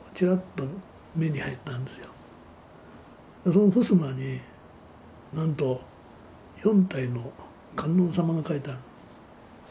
そのふすまになんと四体の観音様が描いてあるの。